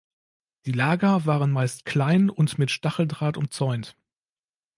Die Lager waren meist klein und mit Stacheldraht umzäunt.